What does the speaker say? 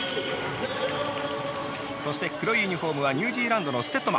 そして、黒いユニフォームはニュージーランドのステッドマン。